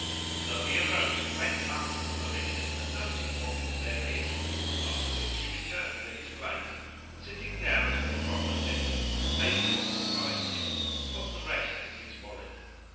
So he arose and went up to the pavilion and noted what was therein; after which he returned to his place and, sitting down to the proferred victual, ate what sufficed him and put the rest in his wallet.